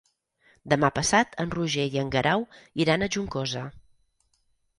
Demà passat en Roger i en Guerau iran a Juncosa.